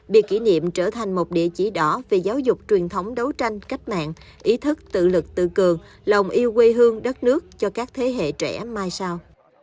biệt kỷ niệm trở thành một địa chỉ đỏ về giáo dục truyền thống đấu tranh cách mạng ý thức tự lực tự cường lòng yêu quê hương đất nước cho các thế hệ trẻ mai sau